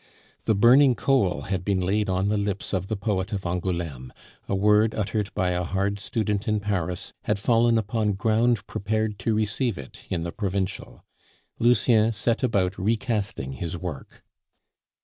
The burning coal had been laid on the lips of the poet of Angouleme, a word uttered by a hard student in Paris had fallen upon ground prepared to receive it in the provincial. Lucien set about recasting his work.